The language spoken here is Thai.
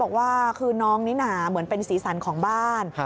บอกว่าคือน้องนิน่าเหมือนเป็นสีสันของบ้าน